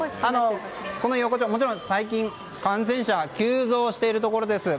この横丁、もちろん最近感染者が急増しているところです。